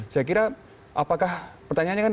saya kira apakah pertanyaannya kan